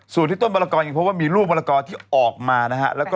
สูตรที่ต้นมะกอกศักดิ์มีรูปมะกอกศักดิ์ครอบมา